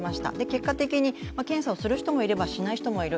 結果的に検査をする人もいればしない人もいる。